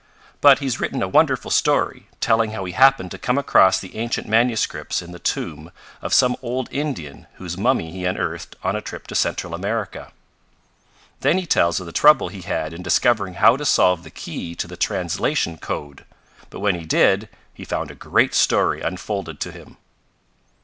But he's written a wonderful story, telling how he happened to come across the ancient manuscripts in the tomb of some old Indian whose mummy he unearthed on a trip to Central America. "Then he tells of the trouble he had in discovering how to solve the key to the translation code; but when he did, he found a great story unfolded to him.